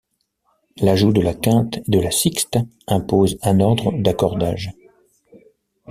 L'ajout de la quinte et de la sixte impose un ordre d'accordage.